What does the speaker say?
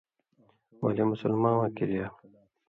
ولے مسلماواں کِریا